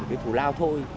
cái thù lao thôi